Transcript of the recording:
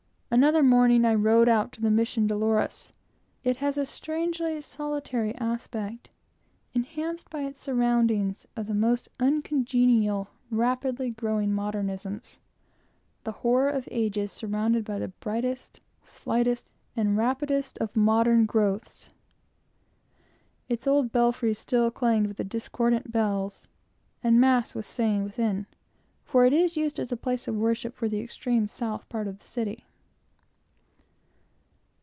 Another morning I ride to the Mission Dolores. It has a strangely solitary aspect, enhanced by its surroundings of the most uncongenial, rapidly growing modernisms; the hoar of ages surrounded by the brightest, slightest, and rapidest of modern growths. Its old belfries still clanged with the discordant bells, and Mass was saying within, for it is used as a place of worship for the extreme south part of the city.